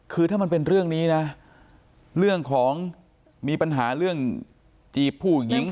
คือถ้ามันเป็นเรื่องนี้นะเรื่องของมีปัญหาเรื่องจีบผู้หญิง